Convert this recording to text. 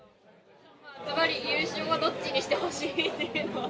ずばり優勝はどっちにしてほしいというのは？